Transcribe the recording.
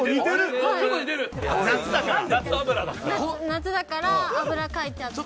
夏だから脂かいちゃって。